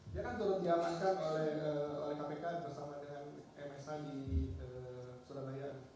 dia kan turut diamankan oleh kpk bersama dengan msa di surabaya